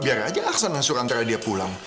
biar aja aksan mengaksur antara dia pulang